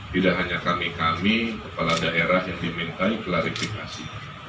tidak hanya kami kami kepala daerah yang dimintai klarifikasi